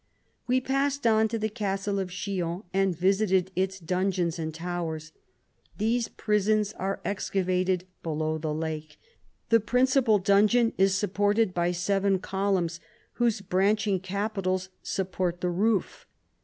We passed on to the Castle of Chillon, and visited its dungeons and towers. These prisons are excavated below the lake ; the principal dungeon is supported by seven columns, whose branching capitals support the roof.